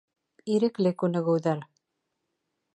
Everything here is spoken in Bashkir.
Ирекле күнегеүҙәр